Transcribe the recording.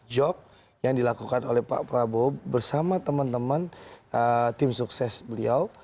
job yang dilakukan oleh pak prabowo bersama teman teman tim sukses beliau